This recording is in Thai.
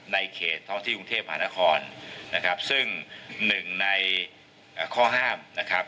ในเขตท้องที่กรุงเทพหานครนะครับซึ่งหนึ่งในข้อห้ามนะครับ